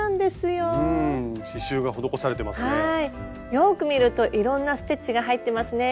よく見るといろんなステッチが入ってますね。